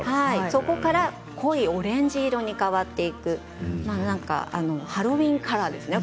そこから濃いオレンジ色に変わっていくハロウィーンカラーですね